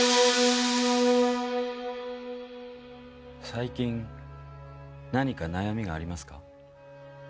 最近何か悩みがありますか？